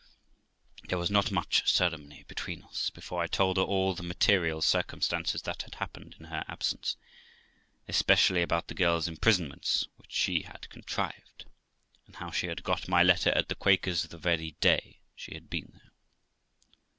There was not much ceremony between us, before I told her all the THE LIFE OF ROXANA 405 material circumstances that had happened in her absence, especially about the girl's imprisonments which she had contrived, and how she had got my letter at the Quaker's, the very day she had been there.